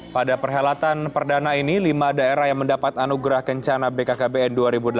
pada perhelatan perdana ini lima daerah yang mendapat anugerah kencana bkkbn dua ribu delapan belas